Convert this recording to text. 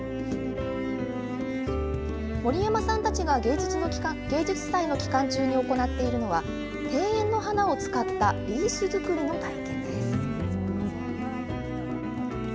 森山さんたちが芸術祭の期間中に行っているのは、庭園の花を使ったリース作りの体験です。